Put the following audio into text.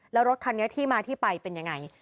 แล้วรถคันนี้ที่มาที่ไปเป็นยังไง